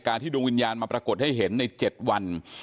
ที่ดวงวิญญาณมาปรากฏให้เห็นใน๗วัน